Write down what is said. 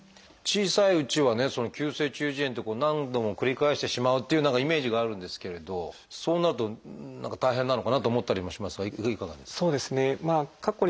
小さいうちはね急性中耳炎って何度も繰り返してしまうっていうイメージがあるんですけれどそうなると何か大変なのかなと思ったりもしますがいかがですか？